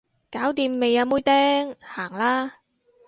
搞掂未啊妹釘，行啦